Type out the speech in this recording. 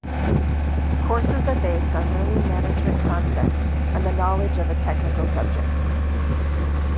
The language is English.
Courses are based on learning management concepts and the knowledge of a technical subject.